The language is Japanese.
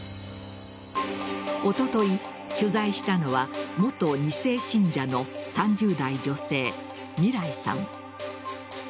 おととい取材したのは元２世信者の３０代女性みらいさん。